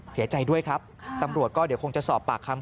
เสียใจด้วยครับตำรวจก็เดี๋ยวคงจะสอบปากคำ